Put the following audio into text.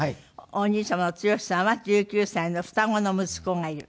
お兄様の剛さんは１９歳の双子の息子がいる。